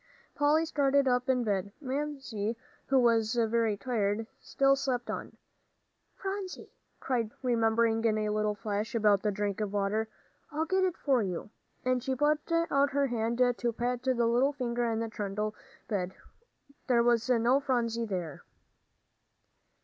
Polly started up in bed. Mamsie, who was very tired, still slept on. "Phronsie," cried Polly, remembering in a flash about the drink of water, "I'll get it for you," and she put out her hand to pat the little figure in the trundle bed. There was no Phronsie there!